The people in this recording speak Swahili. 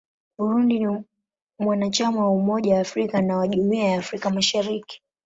Burundi ni mwanachama wa Umoja wa Afrika na wa Jumuiya ya Afrika Mashariki.